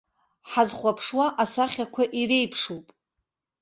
Ҳазхәаԥшуа асахьақәа иреиԥшуп.